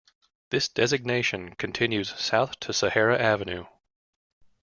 This designation continues south to Sahara Avenue.